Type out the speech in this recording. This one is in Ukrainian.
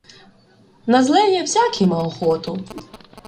На злеє всякий ма охоту